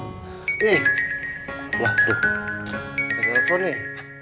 eh ada telepon nih